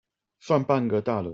算半個大人